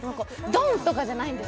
ドン！とかじゃないんです。